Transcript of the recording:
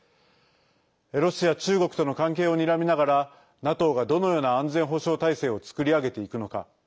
ロシア、中国との関係をにらみながらＮＡＴＯがどのような安全保障体制を作り上げていくのか。